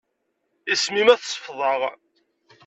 Isem-im ad t-sefḍeɣ.